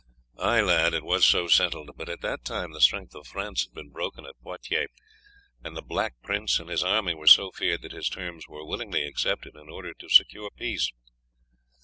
"Ay, lad, it was so settled; but at that time the strength of France had been broken at Poitiers, and the Black Prince and his army were so feared that his terms were willingly accepted in order to secure peace.